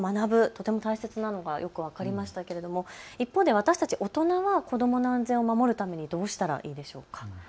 とても大切なのがよく分かりましたけども一方で私たち大人には子どもの安全を守るためにどうしたらいいでしょうか。